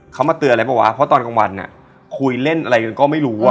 เขามาเตือนอะไรเปล่าวะเพราะตอนกลางวันคุยเล่นอะไรกันก็ไม่รู้อ่ะ